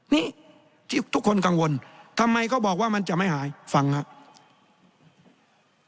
นี่ที่ทุกคนกังวลทำไมเขาบอกว่ามันจะไม่หายฟังครับ